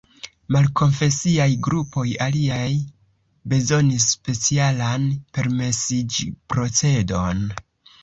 Malkonfesiaj grupoj aliaj bezonis specialan permesiĝprocedon.